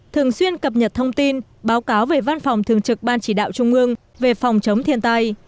thường xuyên cập nhật thông tin báo cáo về văn phòng thường trực ban chỉ đạo trung ương về phòng chống thiên tai